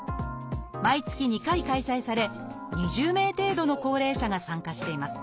毎月２回開催され２０名程度の高齢者が参加しています。